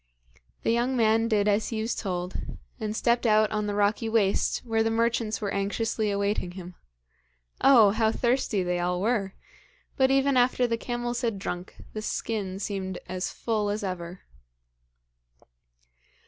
The young man did as he was told, and stepped out on the rocky waste, where the merchants were anxiously awaiting him. Oh, how thirsty they all were! But even after the camels had drunk, the skin seemed as full as ever.